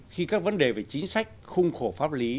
khi các vấn đề về chính sách khung khổ pháp lý